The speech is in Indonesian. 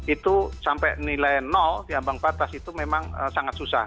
itu sampai nilai nol di ambang batas itu memang sangat susah